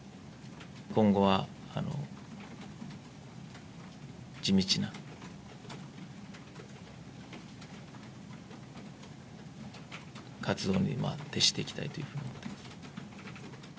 今後は地道な、活動に徹していきたいというふうに思っています。